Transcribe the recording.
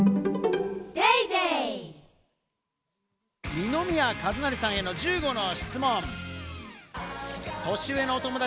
二宮和也さんへの１５の質問。